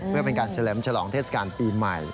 เพื่อเป็นการเฉลิมฉลองเทศกาลปีใหม่